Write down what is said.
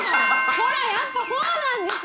ほらやっぱそうなんですよ！